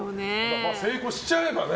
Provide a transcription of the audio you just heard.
成功しちゃえばね。